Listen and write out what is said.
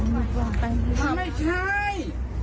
ไม่ใช่